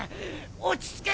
落ち着け！